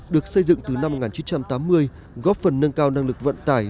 được xây dựng từ năm một nghìn chín trăm tám mươi góp phần nâng cao năng lực vận tải